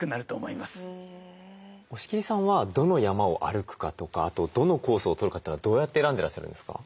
押切さんはどの山を歩くかとかあとどのコースをとるかというのはどうやって選んでらっしゃるんですか？